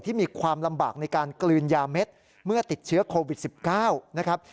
มีความลำบากในการกลืนยาเม็ดเมื่อติดเชื้อโควิด๑๙นะครับ